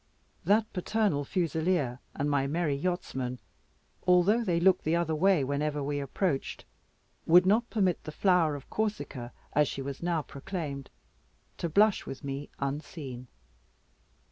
That paternal fusileer and my merry yachtsmen, although they looked the other way whenever we approached, would not permit the flower of Corsica, as she was now proclaimed, to blush with me unseen.